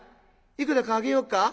いくらかあげようか？」。